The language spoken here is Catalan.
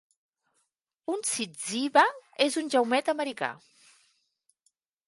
Un zyzzyva és un jaumet americà.